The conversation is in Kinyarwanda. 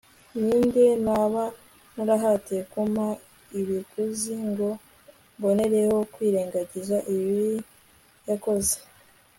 ni nde naba narahatiye kumpa ibiguzi ngo mbonereho kwirengagiza ibibi yakoze